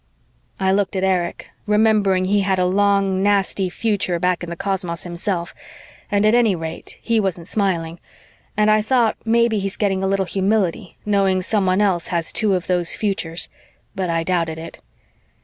I looked at Erich, remembering he had a long nasty future back in the cosmos himself, and at any rate he wasn't smiling, and I thought maybe he's getting a little humility, knowing someone else has two of those futures, but I doubted it.